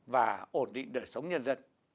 và ổn định đời sống nhân dân